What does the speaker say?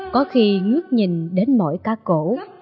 có khi ngước nhìn đến mỗi cá cổ